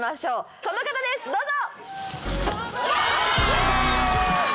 この方ですどうぞ！